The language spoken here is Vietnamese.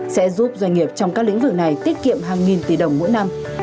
sẽ giúp doanh nghiệp trong các lĩnh vực này tiết kiệm hàng nghìn tỷ đồng mỗi năm